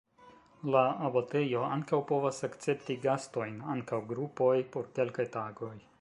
La abatejo ankaŭ povas akcepti gastojn (ankaŭ grupoj) por kelkaj tagoj.